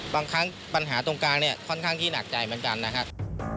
บางครั้งปัญหาตรงกลางเนี่ยค่อนข้างที่หนักใจเหมือนกันนะครับ